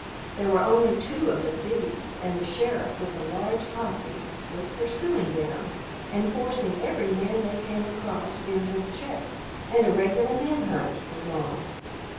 There were only two of the thieves, and the sheriff with a large posse was pursuing them and forcing every man they came across into the chase, and a regular man hunt was on.